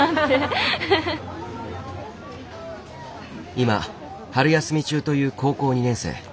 今春休み中という高校２年生。